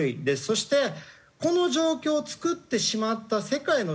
そしてこの状況を作ってしまった世界のシステム。